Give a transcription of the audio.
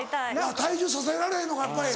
体重支えられへんのかやっぱり。